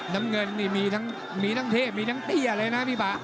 น้ำเงินมีทั้งเทพมีทั้งเตี้ยเลยนะพี่ปะ